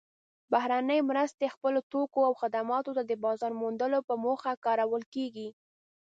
بهرنۍ مرستې خپلو توکو او خدماتو ته د بازار موندلو په موخه کارول کیږي.